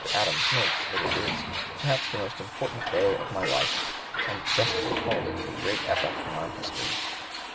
Adams notes that it is "perhaps the most important day of my life," and justly called it "a great epoch in our history."